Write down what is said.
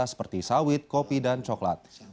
seperti sawit kopi dan coklat